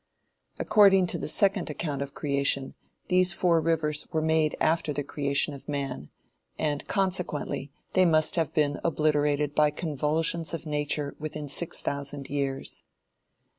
According to the second account of creation, these four rivers were made after the creation of man, and consequently they must have been obliterated by convulsions of Nature within six thousand years.